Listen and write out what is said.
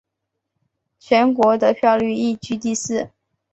全国得票率亦居第四。